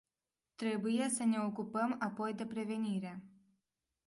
Trebuie să ne ocupăm apoi de prevenire.